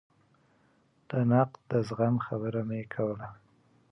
د نقد د زغم خبره مې کوله.